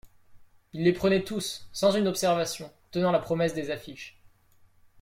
Il les prenait tous, sans une observation, tenant la promesse des affiches.